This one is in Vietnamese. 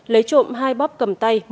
lấy trộm hai bóp cầm tay